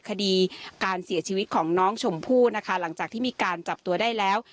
คดีการเสียชีวิตของน้องชมพู่นะคะหลังจากที่มีการจับตัวได้แล้ว